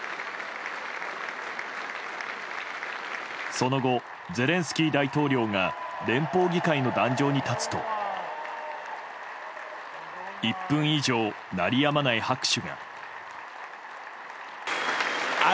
その後、ゼレンスキー大統領が連邦議会の壇上に立つと１分以上、鳴りやまない拍手が。